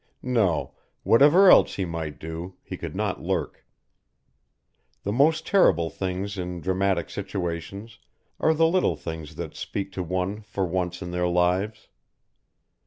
No, whatever else he might do he could not lurk. The most terrible things in dramatic situations are the little things that speak to one for once in their lives.